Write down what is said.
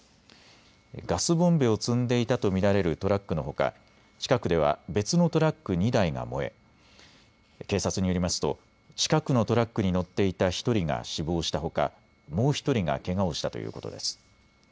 ガスボンベを積んでいたと見られるトラックのほか近くでは別のトラック２台が燃え警察によりますと近くのトラックに乗っていた１人が死亡したほかもう１人がけがをしたということです。